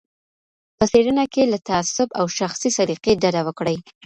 په څېړنه کي له تعصب او شخصي سلیقې ډډه وکړئ.